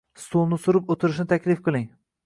Stulni surib, o‘tirishni taklif qiling